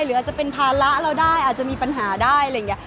หรืออาจจะเป็นภาระเราได้อาจจะมีปัญหาได้อะไรอย่างนี้